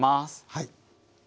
はい。